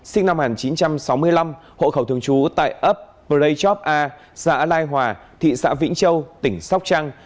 sinh năm một nghìn chín trăm sáu mươi năm hộ khẩu thường trú tại ấp prey chop a xã lai hòa thị xã vĩnh châu tỉnh sóc trăng